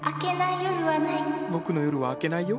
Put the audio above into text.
僕の夜は明けないよ。